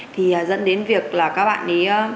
thì dẫn đến việc là các bạn